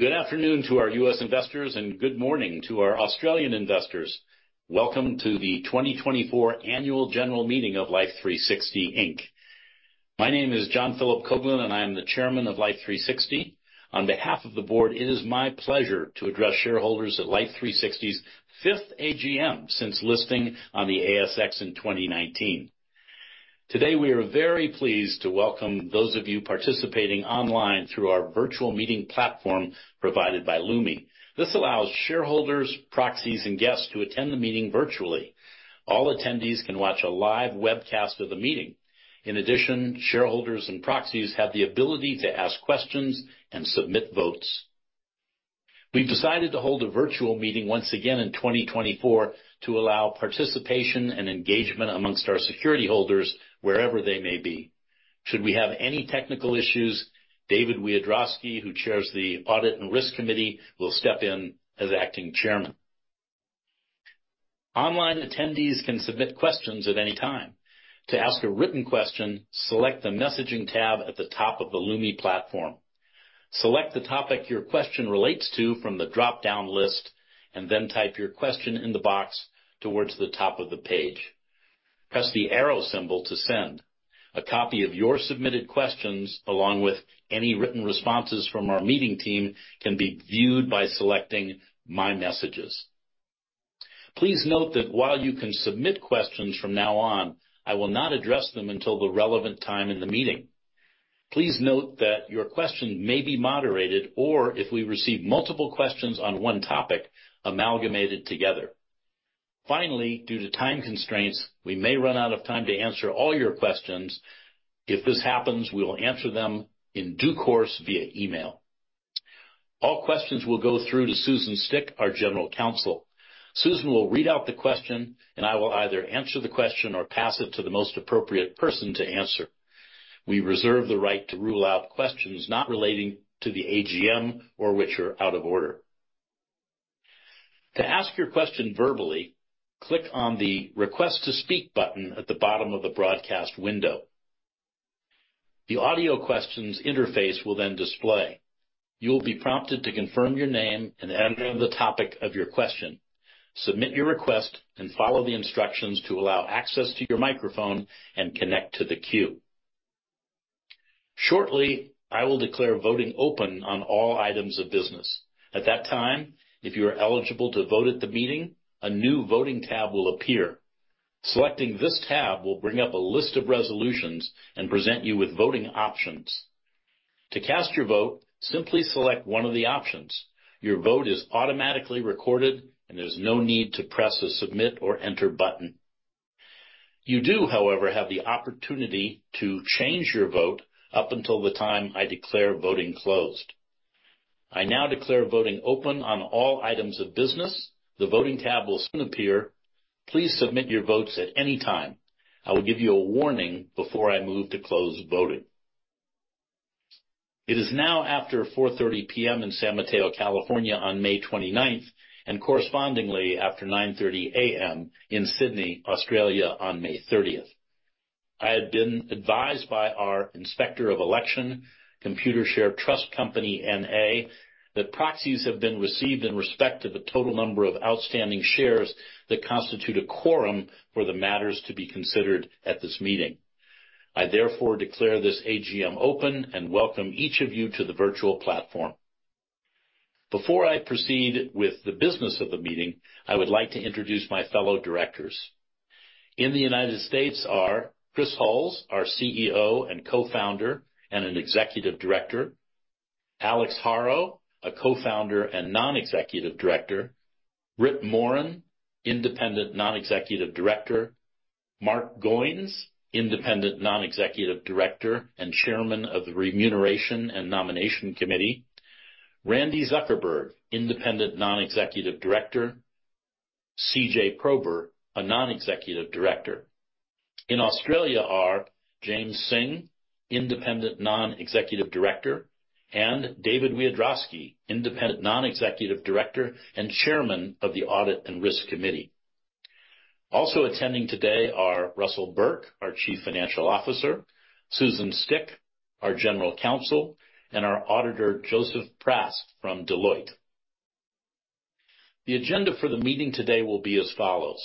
Good afternoon to our U.S. investors, and good morning to our Australian investors. Welcome to the 2024 Annual General Meeting of Life360 Inc. My name is John Philip Coghlan, and I am the Chairman of Life360. On behalf of the board, it is my pleasure to address shareholders at Life360's fifth AGM since listing on the ASX in 2019. Today, we are very pleased to welcome those of you participating online through our virtual meeting platform provided by Lumi. This allows shareholders, proxies, and guests to attend the meeting virtually. All attendees can watch a live webcast of the meeting. In addition, shareholders and proxies have the ability to ask questions and submit votes. We've decided to hold a virtual meeting once again in 2024 to allow participation and engagement among our security holders, wherever they may be. Should we have any technical issues, David Wiadrowski, who chairs the Audit and Risk Committee, will step in as acting Chairman. Online attendees can submit questions at any time. To ask a written question, select the Messaging tab at the top of the Lumi platform. Select the topic your question relates to from the dropdown list and then type your question in the box towards the top of the page. Press the arrow symbol to send. A copy of your submitted questions, along with any written responses from our meeting team, can be viewed by selecting My Messages. Please note that while you can submit questions from now on, I will not address them until the relevant time in the meeting. Please note that your question may be moderated, or if we receive multiple questions on one topic, amalgamated together. Finally, due to time constraints, we may run out of time to answer all your questions. If this happens, we will answer them in due course via email. All questions will go through to Susan Stick, our General Counsel. Susan will read out the question, and I will either answer the question or pass it to the most appropriate person to answer. We reserve the right to rule out questions not relating to the AGM or which are out of order. To ask your question verbally, click on the Request to Speak button at the bottom of the broadcast window. The audio questions interface will then display. You will be prompted to confirm your name and enter the topic of your question. Submit your request and follow the instructions to allow access to your microphone and connect to the queue. Shortly, I will declare voting open on all items of business. At that time, if you are eligible to vote at the meeting, a new voting tab will appear. Selecting this tab will bring up a list of resolutions and present you with voting options. To cast your vote, simply select one of the options. Your vote is automatically recorded, and there's no need to press the Submit or Enter button. You do, however, have the opportunity to change your vote up until the time I declare voting closed. I now declare voting open on all items of business. The voting tab will soon appear. Please submit your votes at any time. I will give you a warning before I move to close voting. It is now after 4:30 P.M. in San Mateo, California, on May 29th, and correspondingly after 9:30 A.M. in Sydney, Australia, on May 30th. I have been advised by our Inspector of Election, Computershare Trust Company, N.A., that proxies have been received in respect to the total number of outstanding shares that constitute a quorum for the matters to be considered at this meeting. I therefore declare this AGM open and welcome each of you to the virtual platform. Before I proceed with the business of the meeting, I would like to introduce my fellow directors. In the United States are Chris Hulls, our CEO and co-founder, and an executive director. Alex Haro, a co-founder and non-executive director. Brit Morin, independent non-executive director. Mark Goines, independent non-executive director and chairman of the Remuneration and Nomination Committee. Randi Zuckerberg, independent non-executive director. CJ Prober, a non-executive director. In Australia are James Synge, independent non-executive director, and David Wiadrowski, independent non-executive director and chairman of the Audit and Risk Committee. Also attending today are Russell Burke, our Chief Financial Officer, Susan Stick, our General Counsel, and our auditor, Joseph Prast from Deloitte. The agenda for the meeting today will be as follows: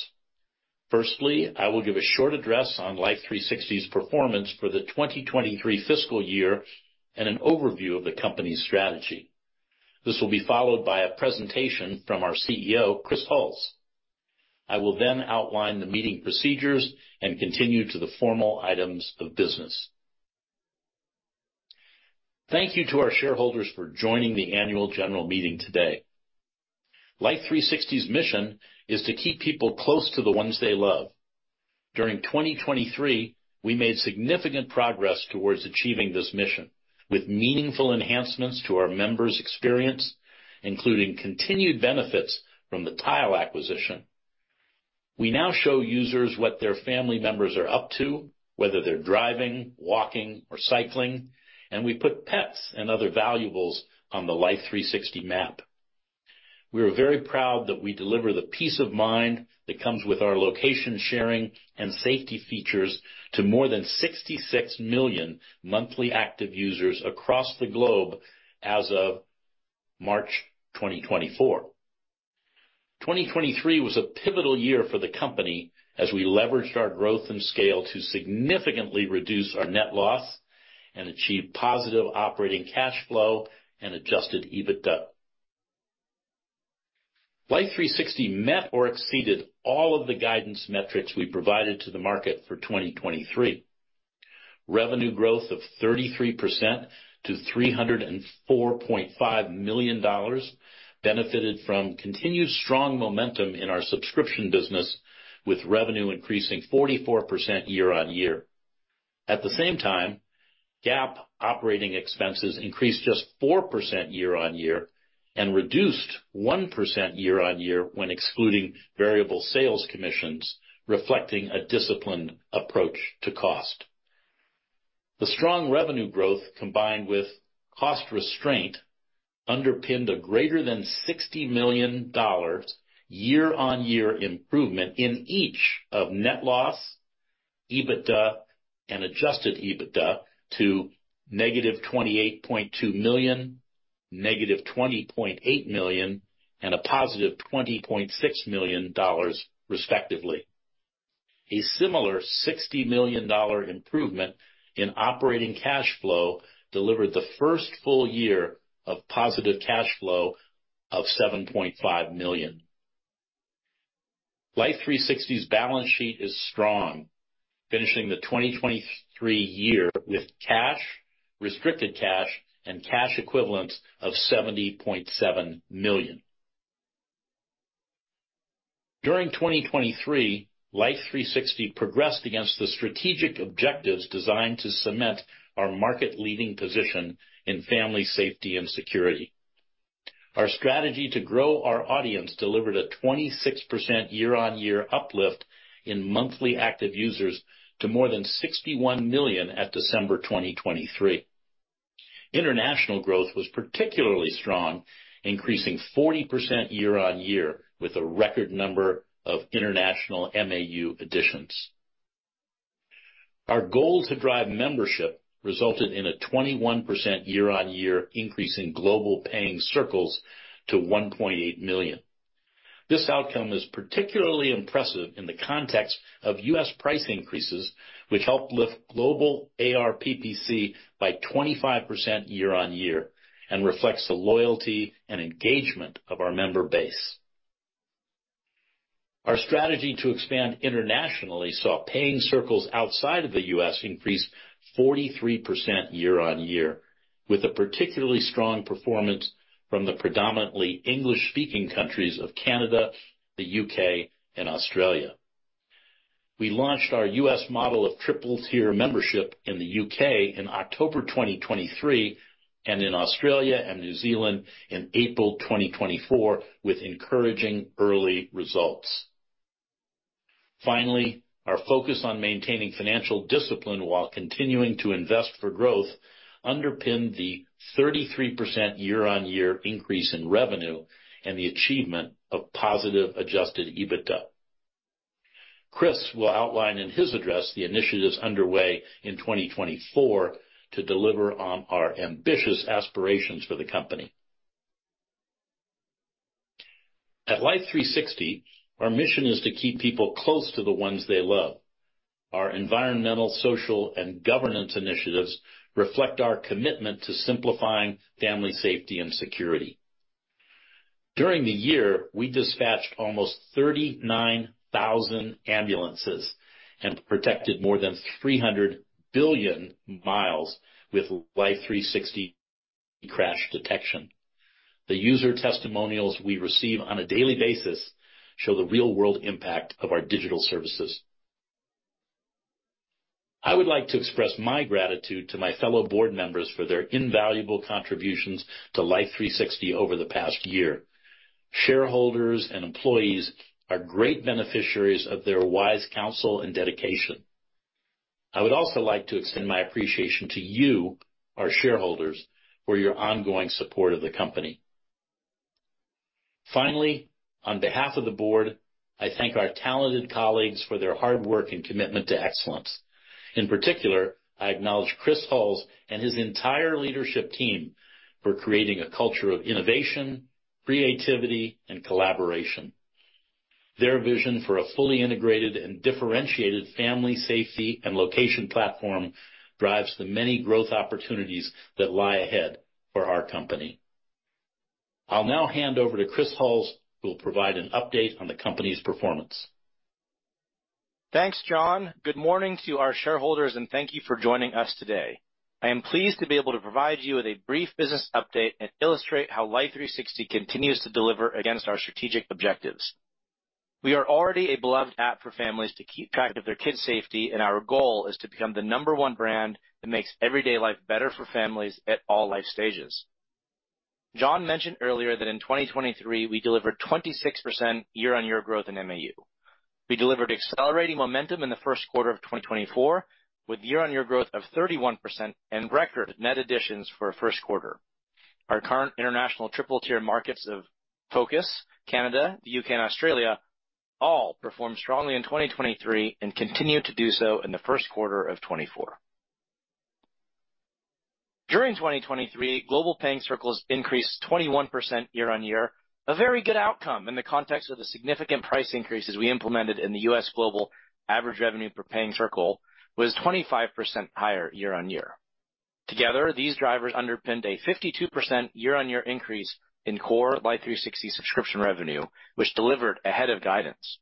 firstly, I will give a short address on Life360's performance for the 2023 fiscal year and an overview of the company's strategy. This will be followed by a presentation from our CEO, Chris Hulls. I will then outline the meeting procedures and continue to the formal items of business. Thank you to our shareholders for joining the annual general meeting today. Life360's mission is to keep people close to the ones they love. During 2023, we made significant progress towards achieving this mission, with meaningful enhancements to our members' experience, including continued benefits from the Tile acquisition. We now show users what their family members are up to, whether they're driving, walking, or cycling, and we put pets and other valuables on the Life360 map.... We are very proud that we deliver the peace of mind that comes with our location sharing and safety features to more than 66 million monthly active users across the globe as of March 2024. 2023 was a pivotal year for the company as we leveraged our growth and scale to significantly reduce our net loss and achieve positive operating cash flow and adjusted EBITDA. Life360 met or exceeded all of the guidance metrics we provided to the market for 2023. Revenue growth of 33% to $304.5 million, benefited from continued strong momentum in our subscription business, with revenue increasing 44% year-on-year. At the same time, GAAP operating expenses increased just 4% year-on-year and reduced 1% year-on-year when excluding variable sales commissions, reflecting a disciplined approach to cost. The strong revenue growth, combined with cost restraint, underpinned a greater than $60 million year-on-year improvement in each of net loss, EBITDA, and adjusted EBITDA to -$28.2 million, -$20.8 million, and $20.6 million, respectively. A similar $60 million improvement in operating cash flow delivered the first full year of positive cash flow of $7.5 million. Life360's balance sheet is strong, finishing the 2023 year with cash, restricted cash, and cash equivalents of $70.7 million. During 2023, Life360 progressed against the strategic objectives designed to cement our market-leading position in family safety and security. Our strategy to grow our audience delivered a 26% year-on-year uplift in monthly active users to more than 61 million at December 2023. International growth was particularly strong, increasing 40% year-on-year, with a record number of international MAU additions. Our goal to drive membership resulted in a 21% year-on-year increase in global paying circles to 1.8 million. This outcome is particularly impressive in the context of U.S. price increases, which helped lift global ARPPC by 25% year-on-year and reflects the loyalty and engagement of our member base. Our strategy to expand internationally saw paying circles outside of the US increase 43% year-on-year, with a particularly strong performance from the predominantly English-speaking countries of Canada, the UK, and Australia. We launched our U.S. model of triple-tier membership in the U.K. in October 2023, and in Australia and New Zealand in April 2024, with encouraging early results. Finally, our focus on maintaining financial discipline while continuing to invest for growth underpinned the 33% year-on-year increase in revenue and the achievement of positive adjusted EBITDA. Chris will outline in his address the initiatives underway in 2024 to deliver on our ambitious aspirations for the company. At Life360, our mission is to keep people close to the ones they love. Our environmental, social, and governance initiatives reflect our commitment to simplifying family safety and security. During the year, we dispatched almost 39,000 ambulances and protected more than 300 billion miles with Life360 Crash Detection. The user testimonials we receive on a daily basis show the real-world impact of our digital services. I would like to express my gratitude to my fellow board members for their invaluable contributions to Life360 over the past year. Shareholders and employees are great beneficiaries of their wise counsel and dedication. I would also like to extend my appreciation to you, our shareholders, for your ongoing support of the company. Finally, on behalf of the board, I thank our talented colleagues for their hard work and commitment to excellence. In particular, I acknowledge Chris Hulls and his entire leadership team for creating a culture of innovation, creativity, and collaboration. Their vision for a fully integrated and differentiated family safety and location platform drives the many growth opportunities that lie ahead for our company. I'll now hand over to Chris Hulls, who will provide an update on the company's performance. Thanks, John. Good morning to our shareholders, and thank you for joining us today. I am pleased to be able to provide you with a brief business update and illustrate how Life360 continues to deliver against our strategic objectives. We are already a beloved app for families to keep track of their kids' safety, and our goal is to become the number one brand that makes everyday life better for families at all life stages. John mentioned earlier that in 2023, we delivered 26% year-on-year growth in MAU.... We delivered accelerating momentum in the first quarter of 2024, with year-on-year growth of 31% and record net additions for a first quarter. Our current international triple-tier markets of focus, Canada, the UK, and Australia, all performed strongly in 2023 and continue to do so in the first quarter of 2024. During 2023, global paying circles increased 21% year-over-year, a very good outcome in the context of the significant price increases we implemented in the U.S., global average revenue per paying circle was 25% higher year-over-year. Together, these drivers underpinned a 52% year-over-year increase in core Life360 subscription revenue, which delivered ahead of guidance.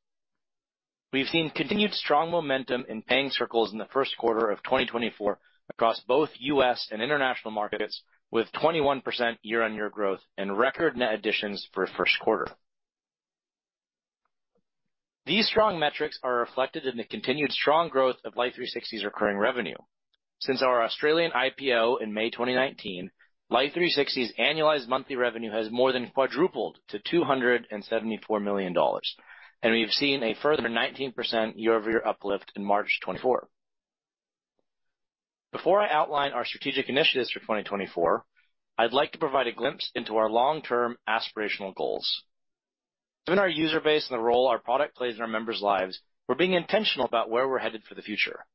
We've seen continued strong momentum in paying circles in the first quarter of 2024 across both U.S. and international markets, with 21% year-over-year growth and record net additions for a first quarter. These strong metrics are reflected in the continued strong growth of Life360's recurring revenue. Since our Australian IPO in May 2019, Life360's annualized monthly revenue has more than quadrupled to $274 million, and we've seen a further 19% year-over-year uplift in March 2024. Before I outline our strategic initiatives for 2024, I'd like to provide a glimpse into our long-term aspirational goals. Given our user base and the role our product plays in our members' lives, we're being intentional about where we're headed for the future.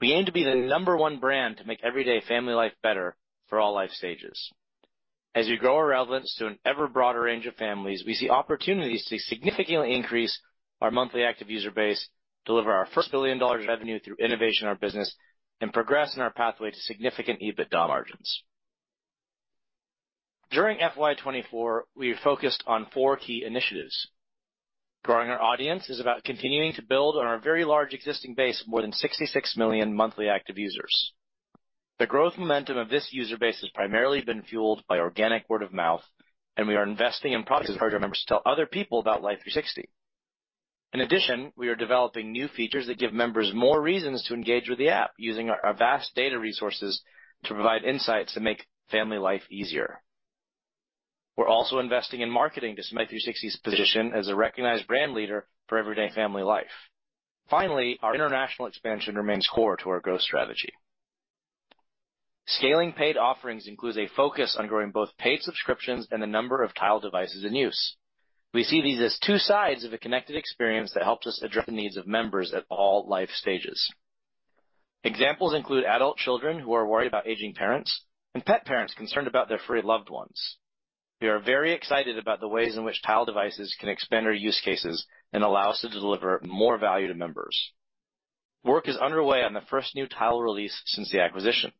We aim to be the number one brand to make everyday family life better for all life stages. As we grow our relevance to an ever broader range of families, we see opportunities to significantly increase our monthly active user base, deliver our first $1 billion in revenue through innovation in our business, and progress in our pathway to significant EBITDA margins. During FY 2024, we focused on four key initiatives. Growing our audience is about continuing to build on our very large existing base, more than 66 million monthly active users. The growth momentum of this user base has primarily been fueled by organic word of mouth, and we are investing in products to encourage our members to tell other people about Life360. In addition, we are developing new features that give members more reasons to engage with the app, using our vast data resources to provide insights to make family life easier. We're also investing in marketing to cement Life360's position as a recognized brand leader for everyday family life. Finally, our international expansion remains core to our growth strategy. Scaling paid offerings includes a focus on growing both paid subscriptions and the number of Tile devices in use. We see these as two sides of a connected experience that helps us address the needs of members at all life stages. Examples include adult children who are worried about aging parents and pet parents concerned about their furry loved ones. We are very excited about the ways in which Tile devices can expand our use cases and allow us to deliver more value to members. Work is underway on the first new Tile release since the acquisition.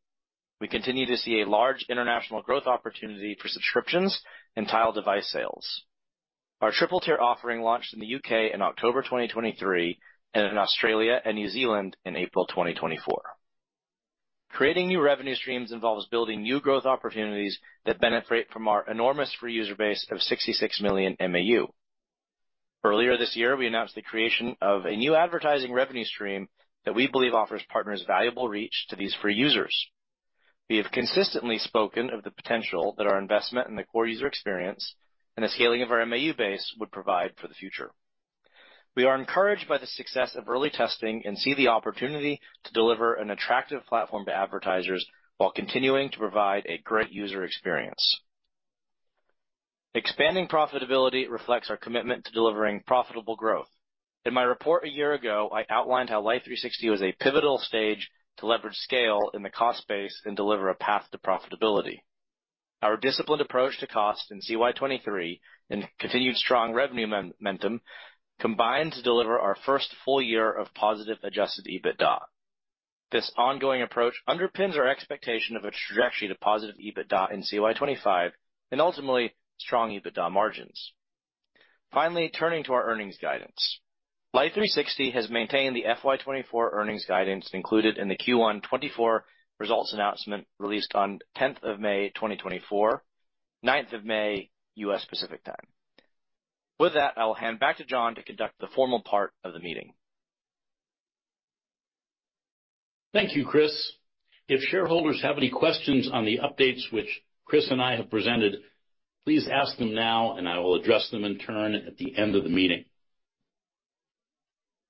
We continue to see a large international growth opportunity for subscriptions and Tile device sales. Our triple-tier offering launched in the UK in October 2023 and in Australia and New Zealand in April 2024. Creating new revenue streams involves building new growth opportunities that benefit from our enormous free user base of 66 million MAU. Earlier this year, we announced the creation of a new advertising revenue stream that we believe offers partners valuable reach to these free users. We have consistently spoken of the potential that our investment in the core user experience and the scaling of our MAU base would provide for the future. We are encouraged by the success of early testing and see the opportunity to deliver an attractive platform to advertisers while continuing to provide a great user experience. Expanding profitability reflects our commitment to delivering profitable growth. In my report a year ago, I outlined how Life360 was a pivotal stage to leverage scale in the cost base and deliver a path to profitability. Our disciplined approach to cost in CY 2023 and continued strong revenue momentum combined to deliver our first full year of positive Adjusted EBITDA. This ongoing approach underpins our expectation of a trajectory to positive EBITDA in CY 2025 and ultimately strong EBITDA margins. Finally, turning to our earnings guidance. Life360 has maintained the FY 2024 earnings guidance included in the Q1 2024 results announcement, released on 10th of May 2024, 9th of May, US Pacific Time. With that, I will hand back to John to conduct the formal part of the meeting. Thank you, Chris. If shareholders have any questions on the updates which Chris and I have presented, please ask them now, and I will address them in turn at the end of the meeting.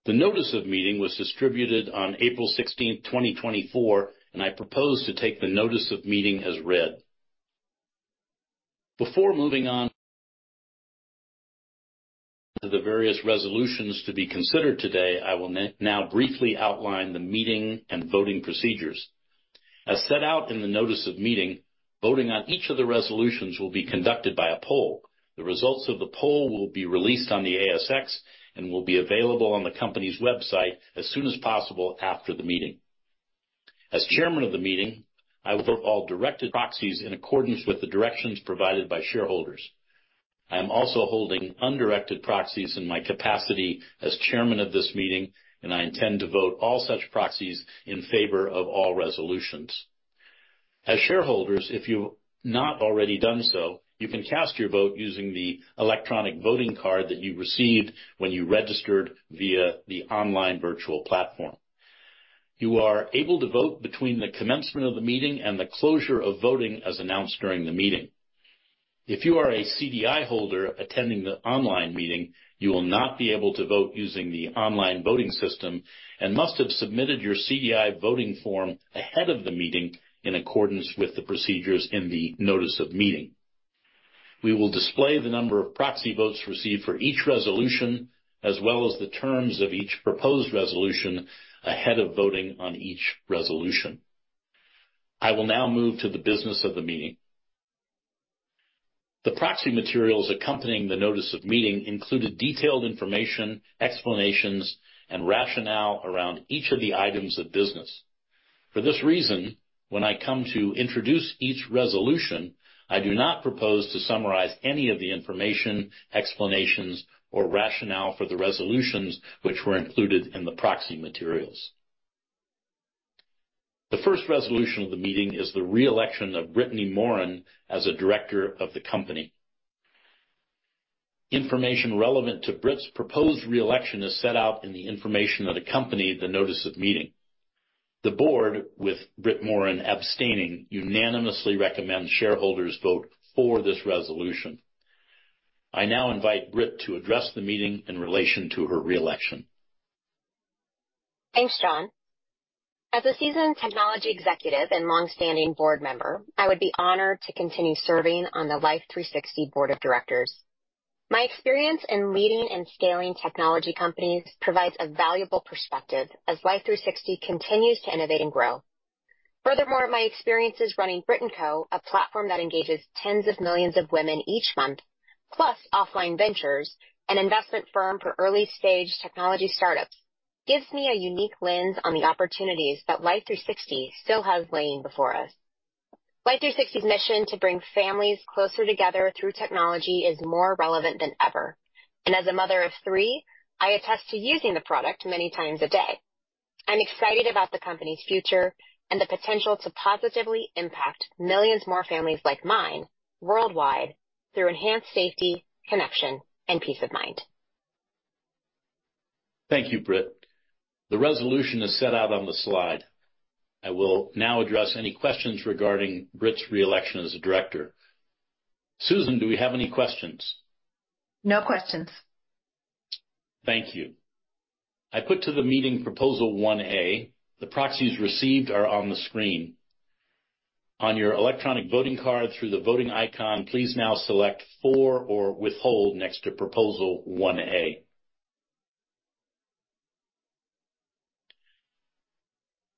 The notice of meeting was distributed on April 16, 2024, and I propose to take the notice of meeting as read. Before moving on to the various resolutions to be considered today, I will now briefly outline the meeting and voting procedures. As set out in the notice of meeting, voting on each of the resolutions will be conducted by a poll. The results of the poll will be released on the ASX and will be available on the company's website as soon as possible after the meeting. As chairman of the meeting, I will vote all directed proxies in accordance with the directions provided by shareholders. I am also holding undirected proxies in my capacity as chairman of this meeting, and I intend to vote all such proxies in favor of all resolutions. As shareholders, if you've not already done so, you can cast your vote using the electronic voting card that you received when you registered via the online virtual platform. You are able to vote between the commencement of the meeting and the closure of voting, as announced during the meeting. If you are a CDI holder attending the online meeting, you will not be able to vote using the online voting system and must have submitted your CDI voting form ahead of the meeting in accordance with the procedures in the notice of meeting. We will display the number of proxy votes received for each resolution, as well as the terms of each proposed resolution ahead of voting on each resolution. I will now move to the business of the meeting. The proxy materials accompanying the notice of meeting included detailed information, explanations, and rationale around each of the items of business. For this reason, when I come to introduce each resolution, I do not propose to summarize any of the information, explanations, or rationale for the resolutions which were included in the proxy materials. The first resolution of the meeting is the re-election of Brit Morin as a director of the company. Information relevant to Brit's proposed re-election is set out in the information that accompanied the notice of meeting. The board, with Brit Morin abstaining, unanimously recommends shareholders vote for this resolution. I now invite Brit to address the meeting in relation to her re-election. Thanks, John. As a seasoned technology executive and long-standing board member, I would be honored to continue serving on the Life360 board of directors. My experience in leading and scaling technology companies provides a valuable perspective as Life360 continues to innovate and grow. Furthermore, my experiences running Brit + Co, a platform that engages tens of millions of women each month, plus Offline Ventures, an investment firm for early-stage technology startups, gives me a unique lens on the opportunities that Life360 still has lying before us. Life360's mission to bring families closer together through technology is more relevant than ever, and as a mother of three, I attest to using the product many times a day. I'm excited about the company's future and the potential to positively impact millions more families like mine worldwide through enhanced safety, connection, and peace of mind. Thank you, Brit. The resolution is set out on the slide. I will now address any questions regarding Brit's re-election as a director. Susan, do we have any questions? No questions. Thank you. I put to the meeting Proposal 1A. The proxies received are on the screen. On your electronic voting card, through the voting icon, please now select "For" or "Withhold" next to Proposal 1A.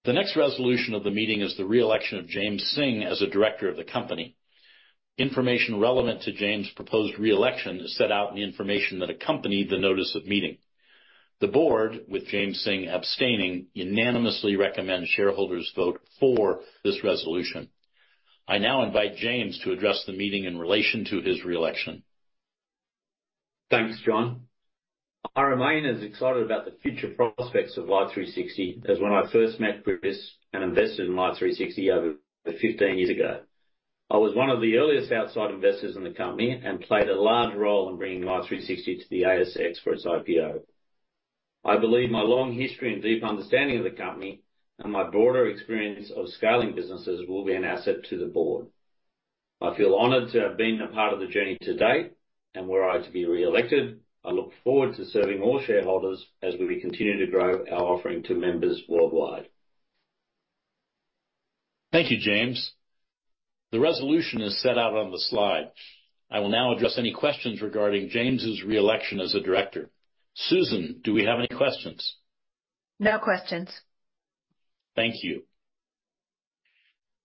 The next resolution of the meeting is the re-election of James Synge as a director of the company. Information relevant to James' proposed re-election is set out in the information that accompanied the notice of meeting. The board, with James Synge abstaining, unanimously recommends shareholders vote for this resolution. I now invite James to address the meeting in relation to his re-election. Thanks, John. I remain as excited about the future prospects of Life360 as when I first met Chris and invested in Life360 over 15 years ago. I was one of the earliest outside investors in the company and played a large role in bringing Life360 to the ASX for its IPO. I believe my long history and deep understanding of the company and my broader experience of scaling businesses will be an asset to the board. I feel honored to have been a part of the journey to date, and were I to be re-elected, I look forward to serving all shareholders as we continue to grow our offering to members worldwide. Thank you, James. The resolution is set out on the slide. I will now address any questions regarding James' re-election as a director. Susan, do we have any questions? No questions. Thank you.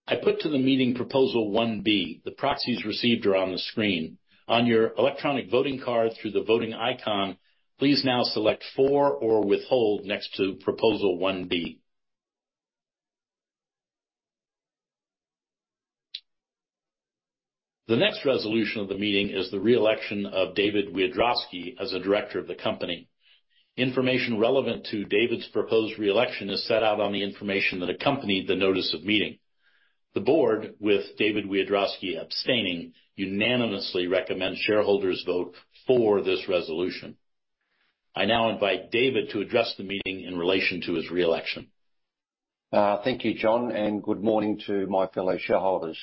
I put to the meeting Proposal 1B. The proxies received are on the screen. On your electronic voting card, through the voting icon, please now select "For" or "Withhold" next to Proposal 1B. The next resolution of the meeting is the re-election of David Wiadrowski as a director of the company. Information relevant to David's proposed re-election is set out on the information that accompanied the notice of meeting. The board, with David Wiadrowski abstaining, unanimously recommends shareholders vote for this resolution. I now invite David to address the meeting in relation to his re-election. Thank you, John, and good morning to my fellow shareholders.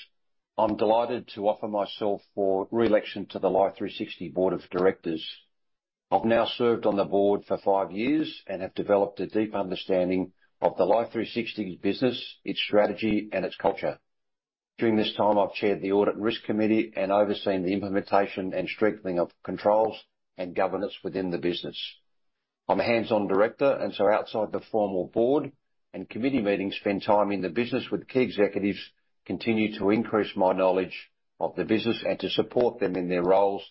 I'm delighted to offer myself for re-election to the Life360 board of directors. I've now served on the board for five years and have developed a deep understanding of the Life360 business, its strategy, and its culture. During this time, I've chaired the Audit and Risk Committee and overseen the implementation and strengthening of controls and governance within the business. I'm a hands-on director, and so outside the formal board and committee meetings, spend time in the business with key executives, continue to increase my knowledge of the business, and to support them in their roles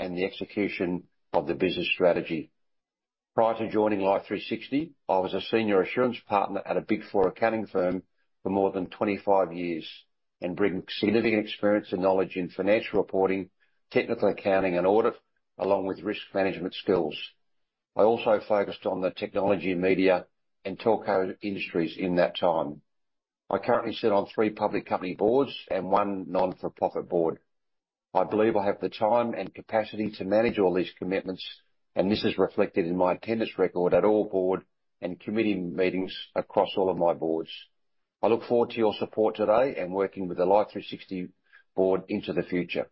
and the execution of the business strategy. Prior to joining Life360, I was a senior assurance partner at a Big Four accounting firm for more than 25 years and bring significant experience and knowledge in financial reporting, technical accounting, and audit, along with risk management skills. I also focused on the technology, media, and telco industries in that time. I currently sit on three public company boards and one non-for-profit board. I believe I have the time and capacity to manage all these commitments, and this is reflected in my attendance record at all board and committee meetings across all of my boards. I look forward to your support today and working with the Life360 board into the future.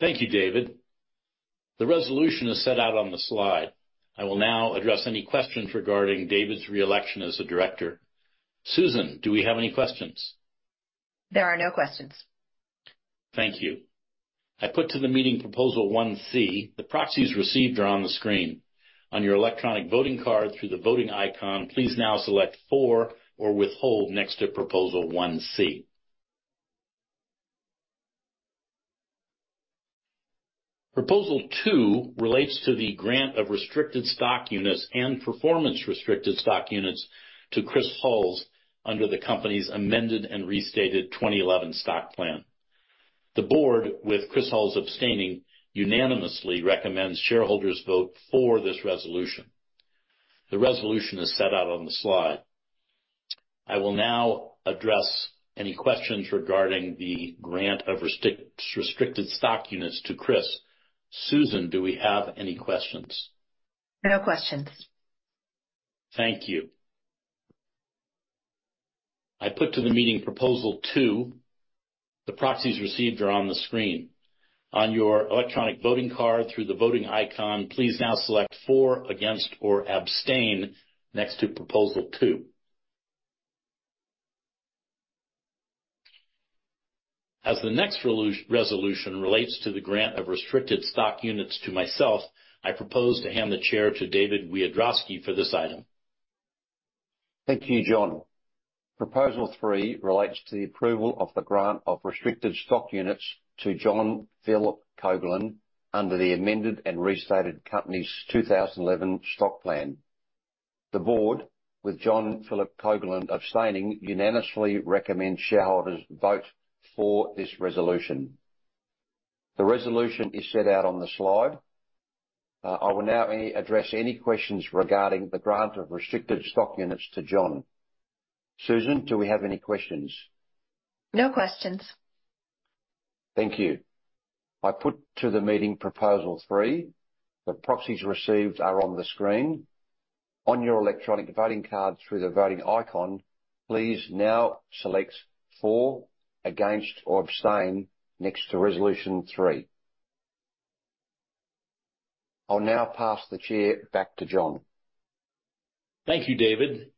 Thank you, David. The resolution is set out on the slide. I will now address any questions regarding David's re-election as a director. Susan, do we have any questions? There are no questions. Thank you. I put to the meeting Proposal 1C. The proxies received are on the screen. On your electronic voting card, through the voting icon, please now select "for" or "withhold" next to Proposal 1C. Proposal 2 relates to the grant of restricted stock units and performance restricted stock units to Chris Hulls under the company's amended and restated 2011 stock plan. The board, with Chris Hulls abstaining, unanimously recommends shareholders vote for this resolution. The resolution is set out on the slide. I will now address any questions regarding the grant of restricted stock units to Chris. Susan, do we have any questions? No questions. Thank you. I put to the meeting Proposal 2. The proxies received are on the screen. On your electronic voting card, through the voting icon, please now select "for," "against," or "abstain" next to Proposal two. As the next resolution relates to the grant of restricted stock units to myself, I propose to hand the chair to David Wiadrowski for this item. Thank you, John. Proposal 3 relates to the approval of the grant of restricted stock units to John Philip Coghlan under the amended and restated company's 2011 stock plan. The board, with John Philip Coghlan abstaining, unanimously recommends shareholders vote for this resolution. The resolution is set out on the slide. I will now address any questions regarding the grant of restricted stock units to John. Susan, do we have any questions? No questions. Thank you. I put to the meeting Proposal 3. The proxies received are on the screen. On your electronic voting card through the voting icon, please now select "for," "against," or "abstain" next to Resolution three. I'll now pass the chair back to John. Thank you, David.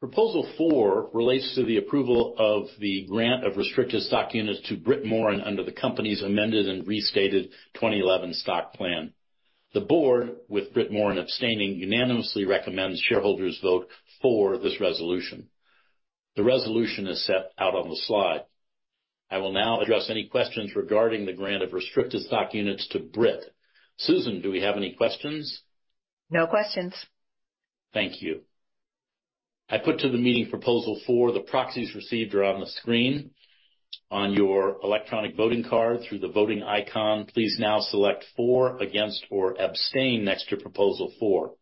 Proposal 4 relates to the approval of the grant of restricted stock units to Brit Morin under the company's amended and restated 2011 stock plan. The board, with Brit Morin abstaining, unanimously recommends shareholders vote for this resolution. The resolution is set out on the slide. I will now address any questions regarding the grant of restricted stock units to Brit. Susan; do we have any questions? No questions. Thank you. I put to the meeting Proposal 4. The proxies received are on the screen. On your electronic voting card, through the voting icon, please now select "for," "against," or "abstain" next to Proposal 4.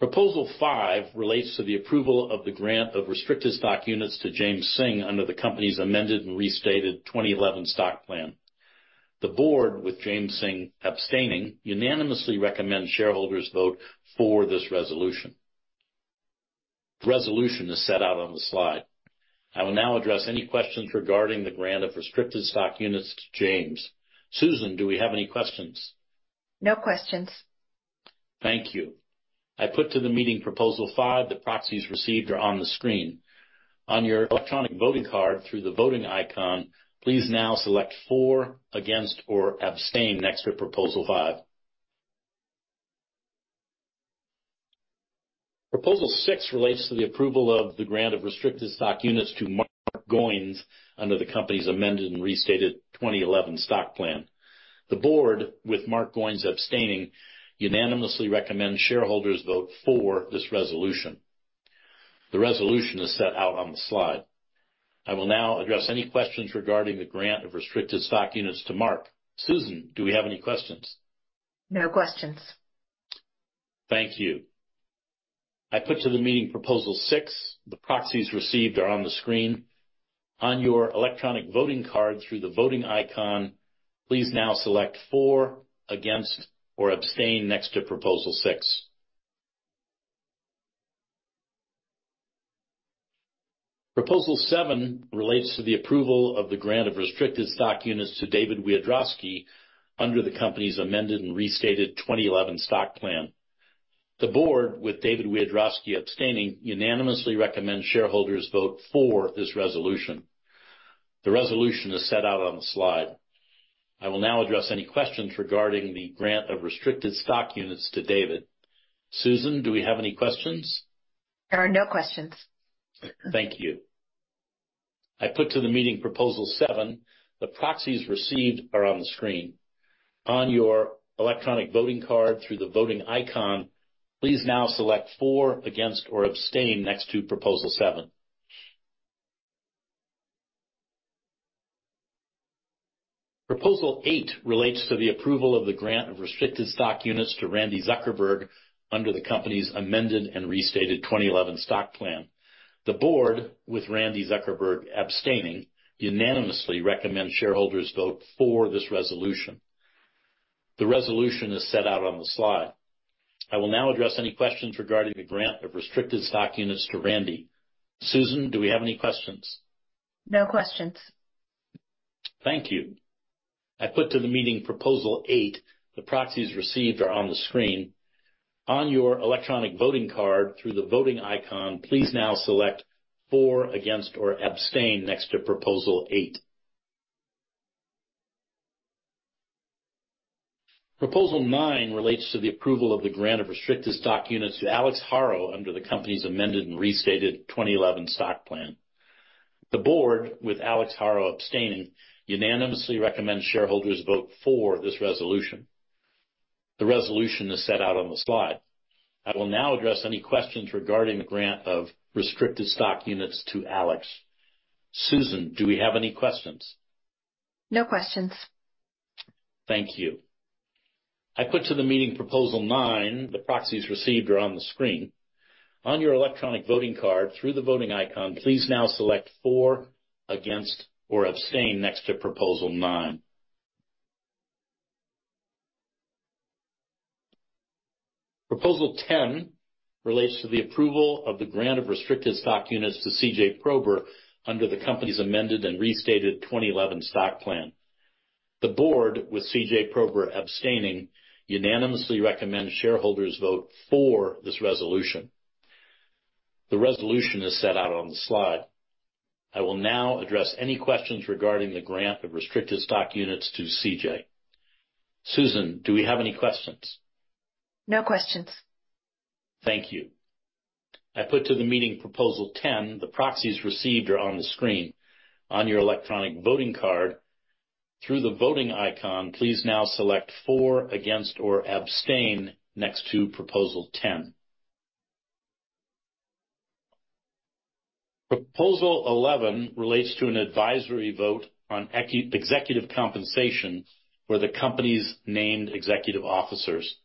Proposal five relates to the approval of the grant of restricted stock units to James Synge under the company's amended and restated 2011 stock plan. The board, with James Synge abstaining, unanimously recommends shareholders vote for this resolution. The resolution is set out on the slide. I will now address any questions regarding the grant of restricted stock units to James. Susan, do we have any questions? No questions. Thank you. I put to the meeting Proposal 5. The proxies received are on the screen. On your electronic voting card, through the voting icon, please now select "for," "against," or "abstain" next to Proposal 5. Proposal 6 relates to the approval of the grant of restricted stock units to Mark Goines under the company's amended and restated 2011 stock plan. The board, with Mark Goines abstaining, unanimously recommends shareholders vote for this resolution. The resolution is set out on the slide. I will now address any questions regarding the grant of restricted stock units to Mark. Susan, do we have any questions? No questions. Thank you. I put to the meeting Proposal 6. The proxies received are on the screen. On your electronic voting card, through the voting icon, please now select "for," "against," or "abstain" next to Proposal 6. Proposal 7 relates to the approval of the grant of restricted stock units to David Wiadrowski under the company's amended and restated 2011 stock plan. The board, with David Wiadrowski abstaining, unanimously recommends shareholders vote for this resolution. The resolution is set out on the slide. I will now address any questions regarding the grant of restricted stock units to David. Susan, do we have any questions? There are no questions. Thank you. I put to the meeting Proposal 7. The proxies received are on the screen. On your electronic voting card, through the voting icon, please now select "for," "against," or "abstain" next to Proposal 7. Proposal 8 relates to the approval of the grant of restricted stock units to Randi Zuckerberg under the company's amended and restated 2011 stock plan. The board, with Randi Zuckerberg abstaining, unanimously recommends shareholders vote for this resolution. The resolution is set out on the slide. I will now address any questions regarding the grant of restricted stock units to Randi. Susan, do we have any questions? No questions. Thank you. I put to the meeting Proposal 8. The proxies received are on the screen. On your electronic voting card, through the voting icon, please now select for, against, or abstain next to Proposal 8. Proposal 9 relates to the approval of the grant of restricted stock units to Alex Haro under the company's amended and restated 2011 stock plan. The board, with Alex Haro abstaining, unanimously recommends shareholders vote for this resolution. The resolution is set out on the slide. I will now address any questions regarding the grant of restricted stock units to Alex. Susan, do we have any questions? No questions. Thank you. I put to the meeting Proposal 9. The proxies received are on the screen. On your electronic voting card, through the voting icon, please now select for, against, or abstain next to Proposal 9. Proposal 10 relates to the approval of the grant of restricted stock units to CJ Prober under the company's amended and restated 2011 stock plan. The board, with CJ Prober abstaining, unanimously recommends shareholders vote for this resolution. The resolution is set out on the slide. I will now address any questions regarding the grant of restricted stock units to CJ. Susan, do we have any questions? No questions. Thank you. I put to the meeting Proposal 10. The proxies received are on the screen. On your electronic voting card, through the voting icon, please now select for, against, or abstain next to Proposal 10. Proposal 11 relates to an advisory vote on executive compensation for the company's named executive officers.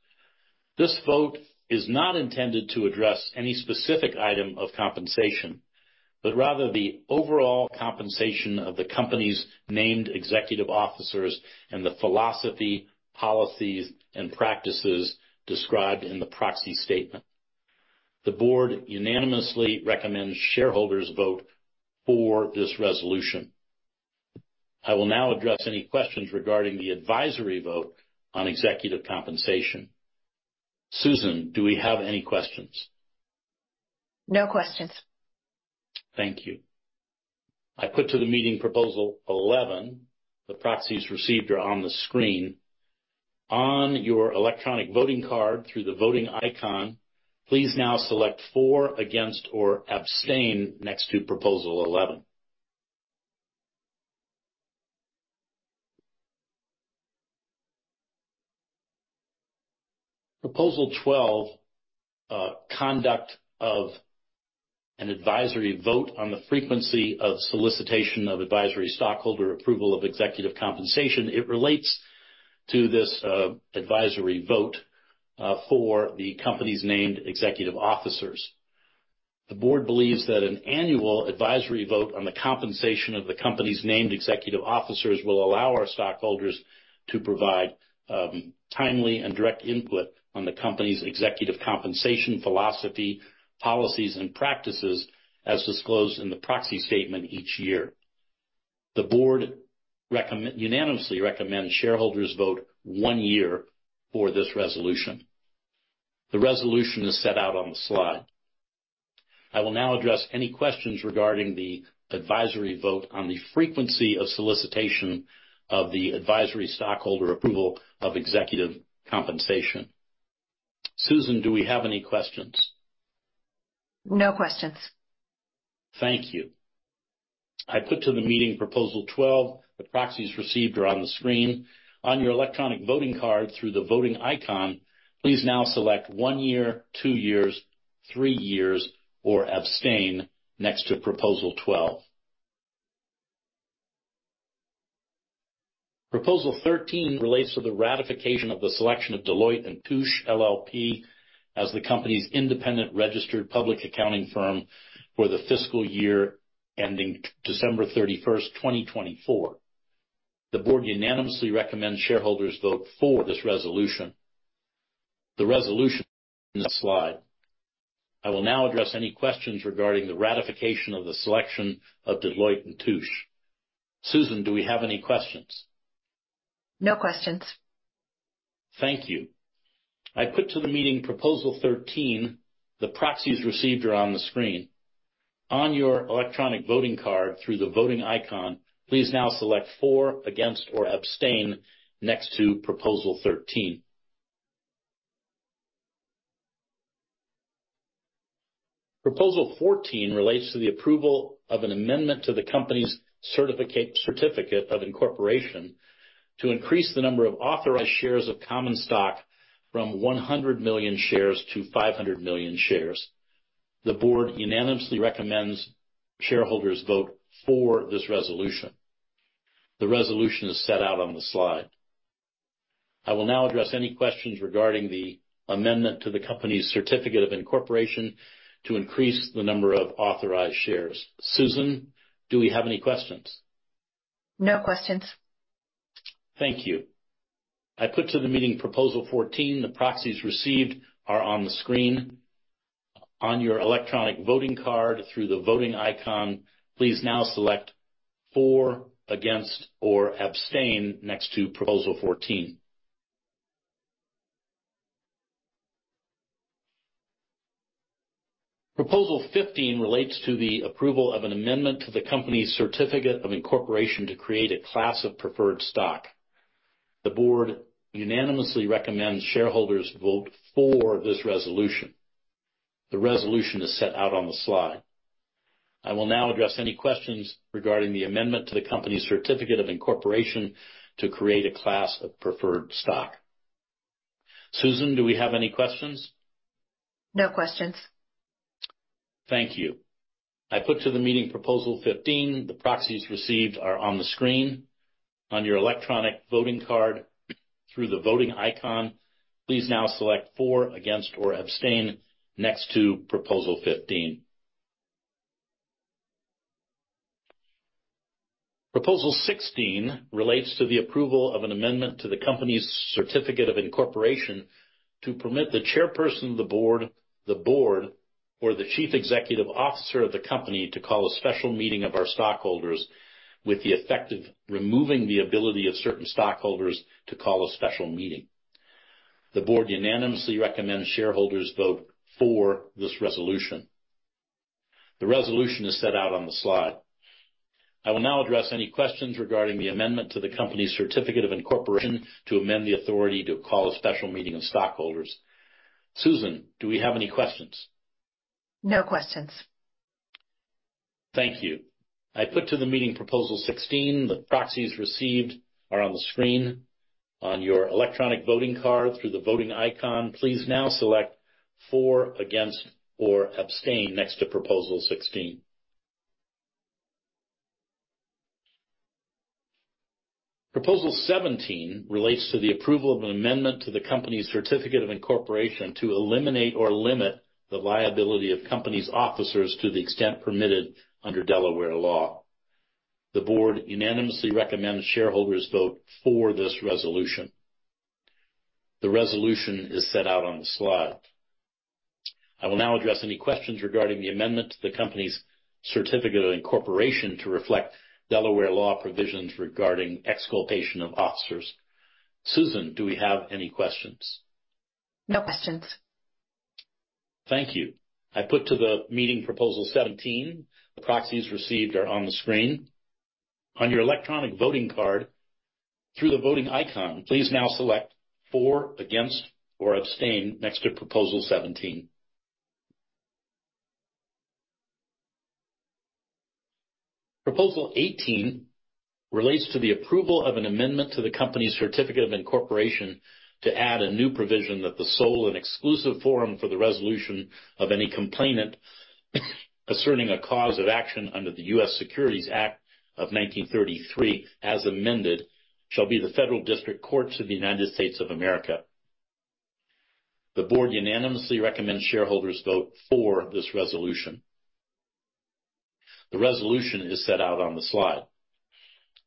This vote is not intended to address any specific item of compensation, but rather the overall compensation of the company's named executive officers and the philosophy, policies, and practices described in the proxy statement. The board unanimously recommends shareholders vote for this resolution. I will now address any questions regarding the advisory vote on executive compensation. Susan, do we have any questions? No questions. Thank you. I put to the meeting Proposal 11. The proxies received are on the screen. On your electronic voting card, through the voting icon, please now select for, against, or abstain next to Proposal 11. Proposal 12, conduct of an advisory vote on the frequency of solicitation of advisory stockholder approval of executive compensation. It relates to this, advisory vote, for the company's named executive officers. The board believes that an annual advisory vote on the compensation of the company's named executive officers will allow our stockholders to provide, timely and direct input on the company's executive compensation, philosophy, policies, and practices, as disclosed in the proxy statement each year. The board unanimously recommends shareholders vote one year for this resolution. The resolution is set out on the slide. I will now address any questions regarding the advisory vote on the frequency of solicitation of the advisory stockholder approval of executive compensation. Susan, do we have any questions? No questions. Thank you. I put to the meeting Proposal 12. The proxies received are on the screen. On your electronic voting card, through the voting icon, please now select 1 year, 2 years, 3 years, or abstain next to Proposal 12. Proposal 13 relates to the ratification of the selection of Deloitte & Touche LLP as the company's independent registered public accounting firm for the fiscal year ending December 31, 2024. The board unanimously recommends shareholders vote for this resolution. The resolution is in the slide. I will now address any questions regarding the ratification of the selection of Deloitte & Touche LLP. Susan, do we have any questions? No questions. Thank you. I put to the meeting Proposal 13. The proxies received are on the screen. On your electronic voting card, through the voting icon, please now select for, against, or abstain next to Proposal 13. Proposal 14 relates to the approval of an amendment to the company's certificate of incorporation to increase the number of authorized shares of common stock from 100 million shares to 500 million shares. The board unanimously recommends shareholders vote for this resolution. The resolution is set out on the slide. I will now address any questions regarding the amendment to the company's certificate of incorporation to increase the number of authorized shares. Susan, do we have any questions? No questions. Thank you. I put to the meeting Proposal 14. The proxies received are on the screen. On your electronic voting card, through the voting icon, please now select For, Against, or Abstain next to Proposal 14. Proposal 15 relates to the approval of an amendment to the company's certificate of incorporation to create a class of preferred stock. The board unanimously recommends shareholders vote for this resolution. The resolution is set out on the slide. I will now address any questions regarding the amendment to the company's certificate of incorporation to create a class of preferred stock. Susan, do we have any questions? No questions. Thank you. I put to the meeting Proposal 15. The proxies received are on the screen. On your electronic voting card, through the voting icon, please now select For, Against, or Abstain next to Proposal 15. Proposal 16 relates to the approval of an amendment to the company's certificate of incorporation to permit the Chairperson of the Board, the Board, or the Chief Executive Officer of the company to call a special meeting of our stockholders with the effect of removing the ability of certain stockholders to call a special meeting. The Board unanimously recommends shareholders vote for this resolution. The resolution is set out on the slide. I will now address any questions regarding the amendment to the company's certificate of incorporation to amend the authority to call a special meeting of stockholders. Susan, do we have any questions? No questions. Thank you. I put to the meeting Proposal 16. The proxies received are on the screen. On your electronic voting card, through the voting icon, please now select For, Against, or Abstain next to Proposal 16. Proposal 17 relates to the approval of an amendment to the company's certificate of incorporation to eliminate or limit the liability of company's officers to the extent permitted under Delaware law. The board unanimously recommends shareholders vote for this resolution. The resolution is set out on the slide. I will now address any questions regarding the amendment to the company's certificate of incorporation to reflect Delaware law provisions regarding exculpation of officers. Susan, do we have any questions? No questions. Thank you. I put to the meeting Proposal 17. The proxies received are on the screen. On your electronic voting card, through the voting icon, please now select For, Against, or Abstain next to Proposal 17. Proposal 18 relates to the approval of an amendment to the company's certificate of incorporation to add a new provision that the sole and exclusive forum for the resolution of any complainant asserting a cause of action under the U.S. Securities Act of 1933, as amended, shall be the federal district courts of the United States of America. The board unanimously recommends shareholders vote for this resolution. The resolution is set out on the slide.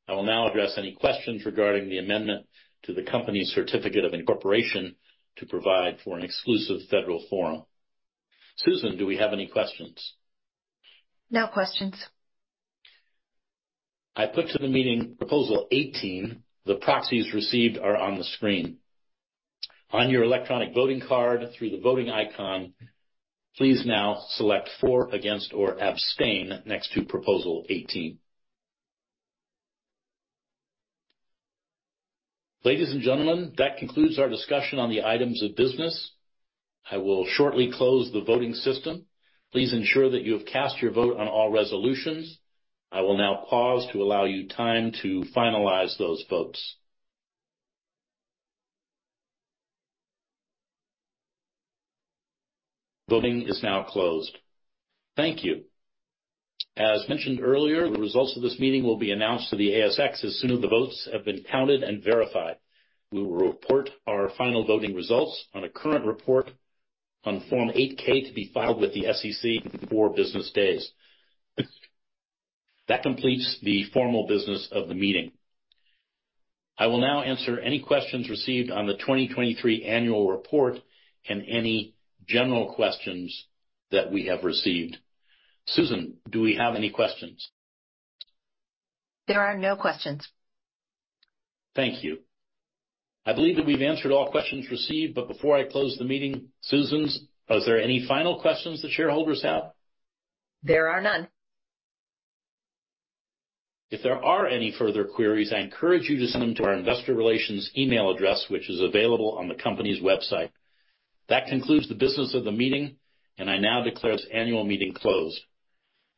I will now address any questions regarding the amendment to the company's certificate of incorporation to provide for an exclusive federal forum. Susan, do we have any questions? No questions. I put to the meeting Proposal 18. The proxies received are on the screen. On your electronic voting card, through the voting icon, please now select For, Against, or Abstain next to Proposal 18. Ladies and gentlemen, that concludes our discussion on the items of business. I will shortly close the voting system. Please ensure that you have cast your vote on all resolutions. I will now pause to allow you time to finalize those votes. Voting is now closed. Thank you. As mentioned earlier, the results of this meeting will be announced to the ASX as soon as the votes have been counted and verified. We will report our final voting results on a current report on Form 8-K to be filed with the SEC within 4 business days. That completes the formal business of the meeting. I will now answer any questions received on the 2023 annual report and any general questions that we have received. Susan, do we have any questions? There are no questions. Thank you. I believe that we've answered all questions received, but before I close the meeting, Susan, are there any final questions the shareholders have? There are none. If there are any further queries, I encourage you to send them to our investor relations email address, which is available on the company's website. That concludes the business of the meeting, and I now declare this annual meeting closed.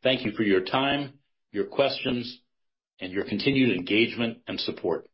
Thank you for your time, your questions, and your continued engagement and support.